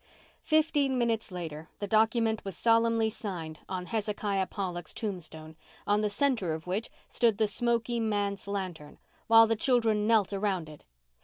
Fifteen minutes later the document was solemnly signed on Hezekiah Pollock's tombstone, on the centre of which stood the smoky manse lantern, while the children knelt around it.